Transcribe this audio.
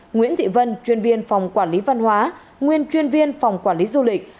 nguyễn thị vân chuyên viên phòng quản lý văn hóa nguyên chuyên viên phòng quản lý du lịch